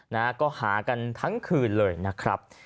นะฮะก็หากันทั้งคืนเลยนะครับ